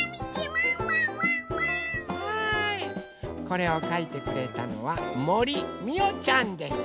これをかいてくれたのはもりみおちゃんです。